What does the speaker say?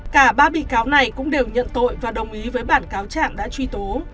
cả ba bị cáo này cũng đều nhận tội và đồng ý với bản cáo trạng đã truy tố